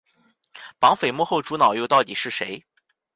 绑匪幕后主脑又到底是谁？